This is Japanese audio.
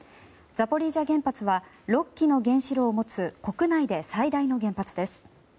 ザポリージャ原発は６基の原子炉を持つ、国内で最大の原発です。